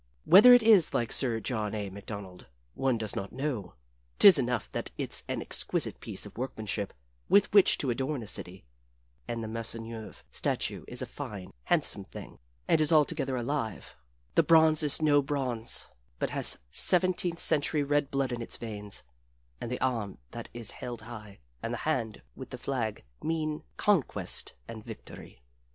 Whether it is like Sir John A. MacDonald, one does not know 'tis enough that it's an exquisite piece of workmanship with which to adorn a city. And the Maisonneuve statue is a fine, handsome thing, and is altogether alive. The bronze is no bronze, but has seventeenth century red blood in its veins, and the arm that is held high and the hand with the flag mean conquest and victory.